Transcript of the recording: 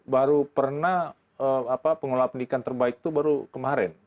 baru pernah pengelola pendidikan terbaik itu baru kemarin